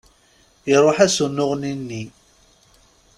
Iruḥ-as unuɣni-nni.